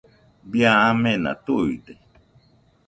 Bie amena tuide